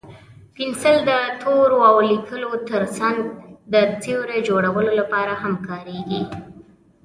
پنسل د تورو او لیکلو تر څنګ د سیوري جوړولو لپاره هم کارېږي.